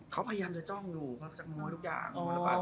เค้าพยายามจะจ้องดูเค้าก็จะขโมยทุกอย่าง